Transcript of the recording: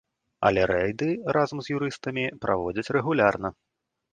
Але рэйды разам з юрыстамі праводзяць рэгулярна.